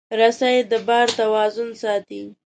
رسۍ د بار توازن ساتي.